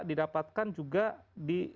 didapatkan juga di